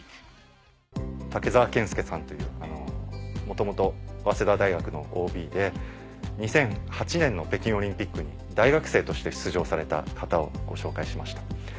竹澤健介さんという元々早稲田大学のＯＢで２００８年の北京オリンピックに大学生として出場された方をご紹介しました。